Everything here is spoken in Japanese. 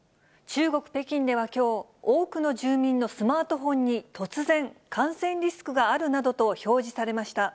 中国・北京ではきょう、多くの住民のスマートフォンに突然、感染リスクがあるなどと表示されました。